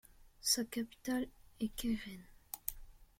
Sa capitale est Keren.